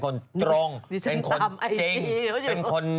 โอลี่คัมรี่ยากที่ใครจะตามทันโอลี่คัมรี่ยากที่ใครจะตามทัน